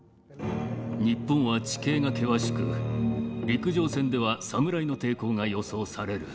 日本は地形が険しく陸上戦では侍の抵抗が予想される。